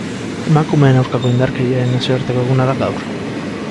Emakumeen aurkako indarkeriaren nazioarteko eguna da gaur.